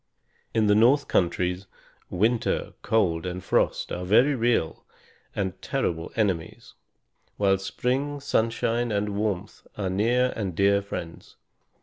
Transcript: In the north countries, winter, cold, and frost are very real and terrible enemies; while spring, sunshine, and warmth are near and dear friends.